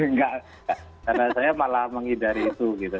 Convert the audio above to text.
enggak karena saya malah menghindari itu gitu